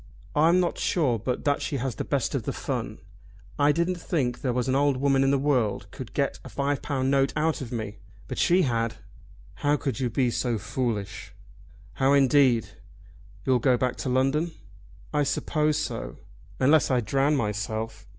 I'm not sure but that she has the best of the fun. I didn't think there was an old woman in the world could get a five pound note out of me; but she had." "How could you be so foolish?" "How indeed! You'll go back to London?" "I suppose so; unless I drown myself."